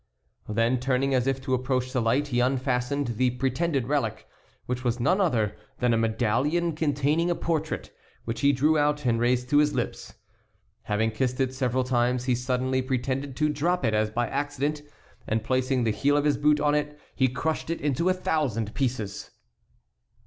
Then, turning as if to approach the light, he unfastened the pretended relic, which was none other than a medallion containing a portrait, which he drew out and raised to his lips. Having kissed it several times, he suddenly pretended to drop it as by accident, and placing the heel of his boot on it he crushed it into a thousand pieces.